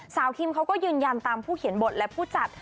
คิมเขาก็ยืนยันตามผู้เขียนบทและผู้จัด